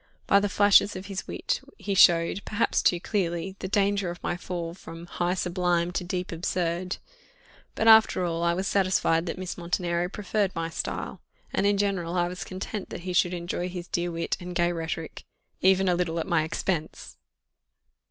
By the flashes of his wit he showed, perhaps too clearly, the danger of my fall from "high sublime to deep absurd;" but, after all, I was satisfied that Miss Montenero preferred my style, and in general I was content that he should enjoy his dear wit and gay rhetoric even a little at my expense.